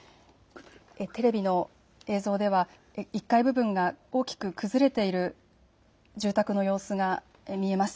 テレビの映像では１階部分が大きく崩れている住宅の様子が見えます。